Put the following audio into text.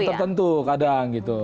tertentu kadang gitu